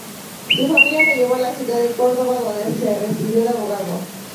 Su familia lo llevó a la ciudad de Córdoba, donde se recibió de abogado.